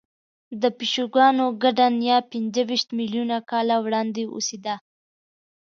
د پیشوګانو ګډه نیا پنځهویشت میلیونه کاله وړاندې اوسېده.